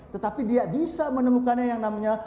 tetapi dia bisa menemukannya yang namanya